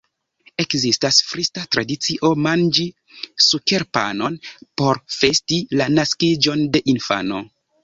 Ekzistas frisa tradicio manĝi sukerpanon por festi la naskiĝon de infano.